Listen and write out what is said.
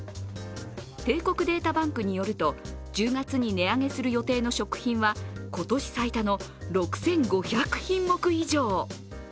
帝国データバンクによると１０月に値上げする予定の食品は今年最多の６５００品目以上。